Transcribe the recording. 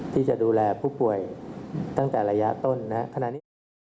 ที่จะดูแลผู้ป่วยตั้งแต่ระยะต้นนะครับ